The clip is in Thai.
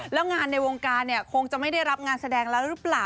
แล้วงานในวงการเนี่ยคงจะไม่ได้รับงานแสดงแล้วหรือเปล่า